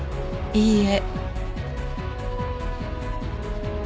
いいえ。